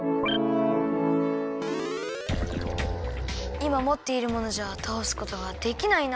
いまもっているものじゃたおすことはできないな。